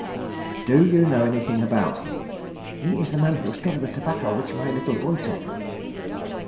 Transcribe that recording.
"Do you know anything about him?" "He is the man who stole the tobacco which my little boy took."